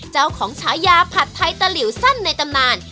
ฉายาผัดไทยตะหลิวสั้นในตำนาน